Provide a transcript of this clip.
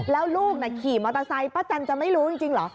แล้วลูกขี่มอเตอร์ไซค์ป้าแตนจะไม่รู้จริงเหรอ